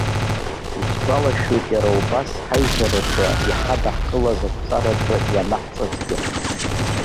Исгәалашәоит иара убас ҳаизараҿы иҳадаҳкылаз ақәҵараҿы ианаҳҵазгьы.